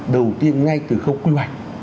đầu tiên ngay từ không quy hoạch